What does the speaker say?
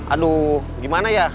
aduh gimana ya